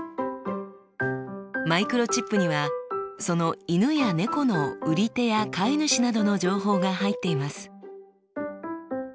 マイクロチップにはその犬や猫の売り手や飼い主などの情報が入っています。